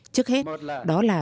trước hết đó là